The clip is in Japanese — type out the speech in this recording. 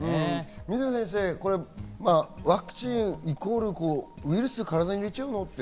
水野先生、ワクチンイコール、ウイルスを体に入れちゃうの？って。